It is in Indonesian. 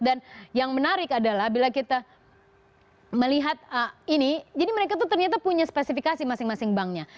dan yang menarik adalah bila kita melihat ini jadi mereka tuh ternyata punya spesifikasi masing masing banknya